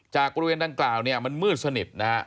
จากบริเวณด้านขลาดมันมืดสนิท